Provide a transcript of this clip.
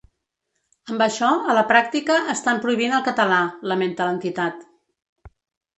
Amb això a la pràctica estan prohibint el català, lamenta l’entitat.